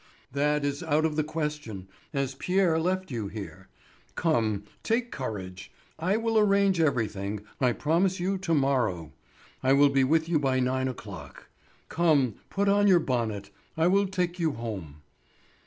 "That is out of the question, as Pierre left you here. Come, take courage. I will arrange everything, I promise you, to morrow; I will be with you by nine o'clock. Come, put on your bonnet. I will take you home."